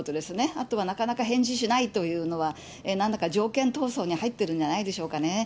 あとはなかなか返事しないというのは、なんだか条件闘争に入ってるんじゃないでしょうかね。